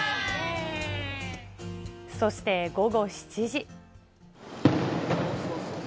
そして、午後７時。